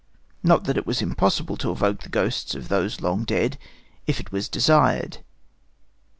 Not that it was impossible to evoke the ghosts of those long dead, if it was desired.